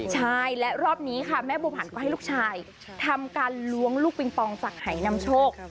ใช่และรอบนี้ค่ะแม่บัวผันก็ให้ลูกชายทำการล้วงลูกปิงปองจากหายนำโชค